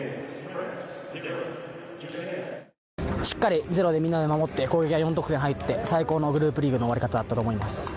しっかりゼロをみんなで守って攻撃が４得点入って最高のグループリーグの終わり方だったと思います。